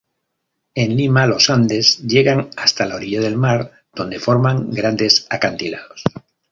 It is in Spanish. En Lima, los Andes llegan hasta la orilla del mar, donde forman grandes acantilados.